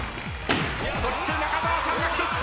そして中澤さんが１つ。